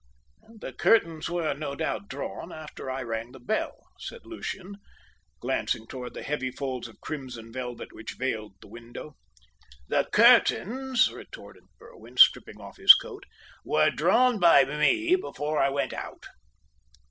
"The curtains were, no doubt, drawn after I rang the bell," said Lucian, glancing towards the heavy folds of crimson velvet which veiled the window. "The curtains," retorted Berwin, stripping off his coat, "were drawn by me before I went out."